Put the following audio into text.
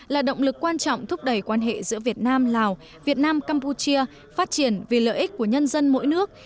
là động lực quan trọng thúc đẩy quan hệ giữa việt nam lào việt nam campuchia phát triển vì lợi ích của nhân dân mỗi nước